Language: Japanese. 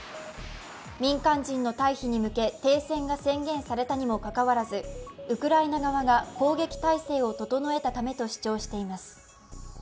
民間人の退避に向け停戦が宣言されたにもかかわらずウクライナ側が攻撃態勢を整えたためと主張しています。